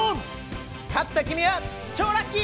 勝った君は超ラッキー！